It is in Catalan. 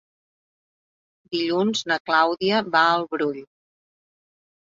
Dilluns na Clàudia va al Brull.